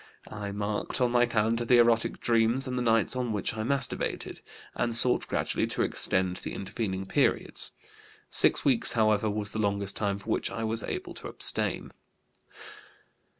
I marked on my calendar the erotic dreams and the nights on which I masturbated, and sought gradually to extend the intervening periods. Six weeks, however, was the longest time for which I was able to abstain."